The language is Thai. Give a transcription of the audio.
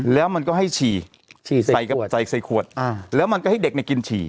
แล้วมันก็ให้ฉี่ฉี่ใส่ขวดใส่ใส่ขวดอ่าแล้วมันก็ให้เด็กน่ะกินฉี่